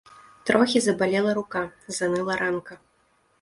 Трохі забалела рука, заныла ранка.